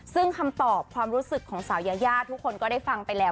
ซึ่งคำตอบความรู้สึกของสาวยายาทุกคนก็ได้ฟังไปแล้ว